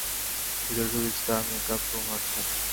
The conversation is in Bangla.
ভিতরে শুধু স্টার মেক আপ রুম আছে।